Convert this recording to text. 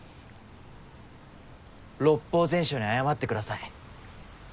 「六法全書に謝ってください！」。